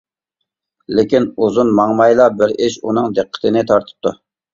لېكىن ئۇزۇن ماڭمايلا بىر ئىش ئۇنىڭ دىققىتىنى تارتىپتۇ.